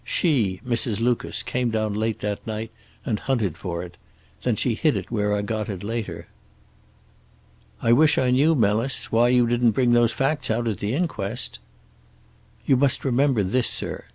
She, Mrs. Lucas, came down late that night and hunted for it. Then she hid it where I got it later." "I wish I knew, Melis, why you didn't bring those facts out at the inquest." "You must remember this, sir.